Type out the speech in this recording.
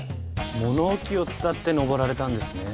物置を伝って登られたんですね。